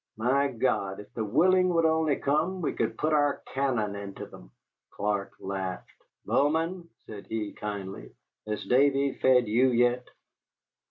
My God! if the Willing would only come, we could put our cannon into them." Clark laughed. "Bowman," said he, kindly, "has Davy fed you yet?"